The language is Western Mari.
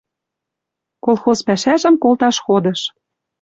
Колхоз пӓшӓжӹм колташ ходыш.